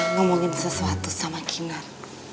ngomongin sesuatu sama kinar